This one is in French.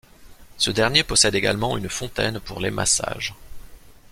Ce dernier possède également une fontaine pour les massages.